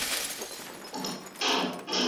ته دا پرېږده، زه نو داسې سوداګر شوم